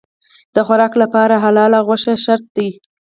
د خوراک لپاره حلاله غوښه شرط دی.